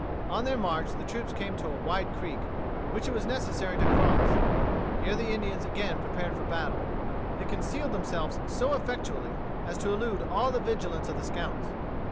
On their march the troops came to a wide creek, which it was necessary to cross. Here the Indians again prepared for battle. They concealed themselves so effectually as to elude all the vigilance of the scouts.